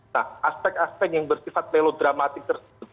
nah aspek aspek yang bersifat telodramatik tersebut